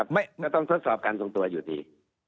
ไม่ต้องทดสอบการทรงตัวอยู่ดี